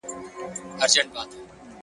سیاه پوسي ده د مړو ورا ده،